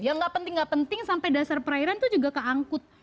yang gak penting gak penting sampai dasar perairan itu juga keangkut